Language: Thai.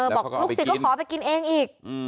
บอกลูกศิษย์ก็ขอไปกินเองอีก